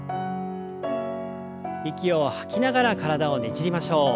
息を吐きながら体をねじりましょう。